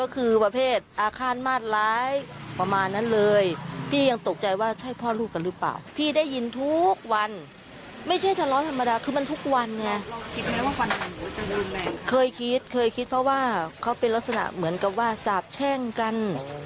เคยคิดไหมว่าเคยคิดเพราะว่าเขาเป็นลักษณะเหมือนกับว่าสาบแช่งกัน